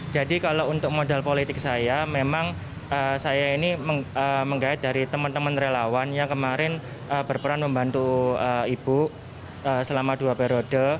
jadi kalau untuk modal politik saya memang saya ini mengait dari teman teman relawan yang kemarin berperan membantu ibu selama dua periode